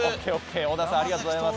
小田さんありがとうございます。